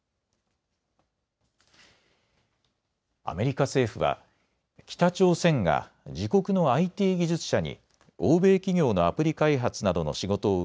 アメリカ政府は北朝鮮が自国のＩＴ技術者に欧米企業のアプリ開発などの仕事を